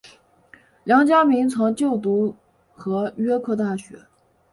梁嘉铭曾就读和约克大学。